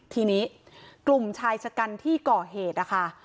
ทีนี้กลุ่มชายชะกันที่ก่อเหตุนะคะ